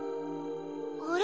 あれ？